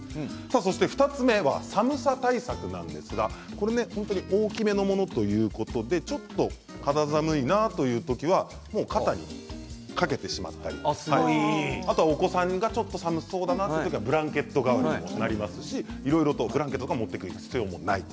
そして２つ目は寒さ対策なんですが大きめのものということでちょっと肌寒いなという時は肩にかけてあと、お子さんがちょっと寒そうだなという時はブランケット代わりにもなりますしブランケットも持って行く必要がないと。